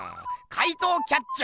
怪盗キャッチュ